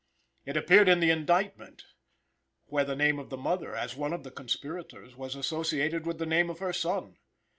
It appeared in the indictment, where the name of the mother, as one of the conspirators, was associated with the name of her son.